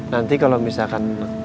nanti kalau misalkan